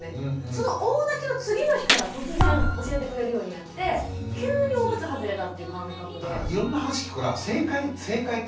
その大泣きの次の日から突然教えてくれるようになって急におむつ外れたっていう感覚で。